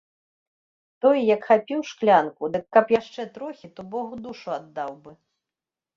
Той як хапіў шклянку, дык каб яшчэ трохі, то богу душу аддаў бы.